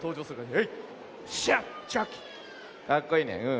かっこいいねうん。